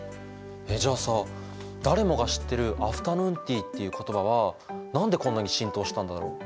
えっじゃあさ誰もが知ってるアフタヌーンティーっていう言葉は何でこんなに浸透したんだろう？